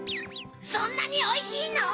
そんなにおいしいの？